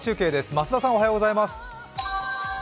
増田さん、おはようございます。